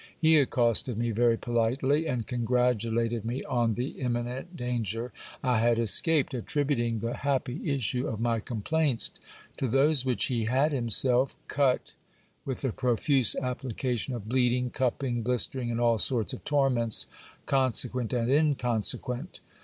He accosted me very pjlitely, and congratulated me on the imminent danger I had escaped ; attribut ing the happy issue of my complaints to those which he had himself cut, with the profuse application of bleeding, cupping, blistering, and all sorts of torments, consequent and inconsequent.